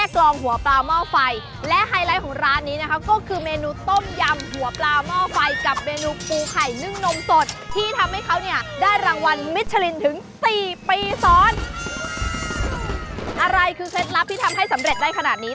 ทำให้สำเร็จได้ขนาดนี้